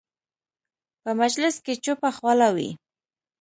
په مجلس کې چوپه خوله وي.